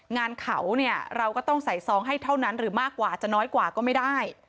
งานเขาเนี่ยเราก็ต้องใส่ซองให้เท่านั้นหรือมากกว่าจะน้อยกว่าก็ไม่ได้